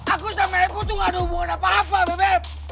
aku sama ibu tuh gak ada hubungan apa apa bebep